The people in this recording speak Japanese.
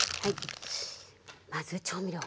まず調味料。